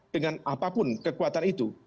dengan apapun kekuatan itu